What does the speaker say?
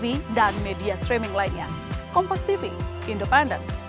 selamat harirai dufitri bu selvi